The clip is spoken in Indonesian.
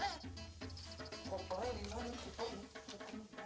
apa di atas ya